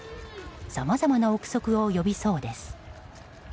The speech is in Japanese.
さまざまな憶測を呼びそうです。